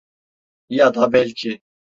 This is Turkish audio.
Ya da belki…